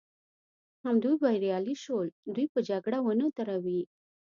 همدوی بریالي شول، دوی به جګړه ونه دروي.